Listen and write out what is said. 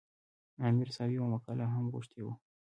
عامر صاحب یوه مقاله هم غوښتې وه.